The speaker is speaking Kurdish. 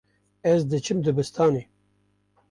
Ez diçim dibistanê.